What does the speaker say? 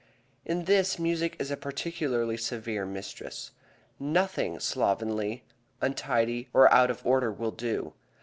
In this, music is a particularly severe mistress. Nothing slovenly, untidy, or out of order will do.